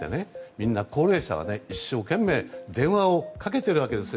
みんな高齢者は一生懸命電話をかけているわけですよ。